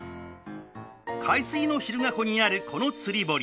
海水の日向湖にあるこの釣り堀。